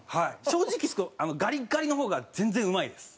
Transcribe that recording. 正直あのガリガリの方が全然うまいです。